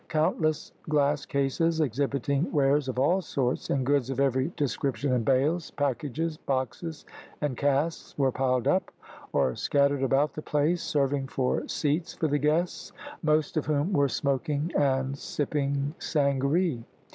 Countless glass cases, exhibiting wares of all sorts, and goods of every description in bales, packages, boxes, and casks, were piled up, or scattered about the place, serving for seats for the guests, most of whom were smoking and sipping sangaree.